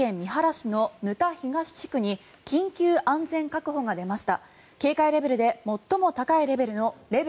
広島県三原市の沼田東地区に緊急安全確保が出ました。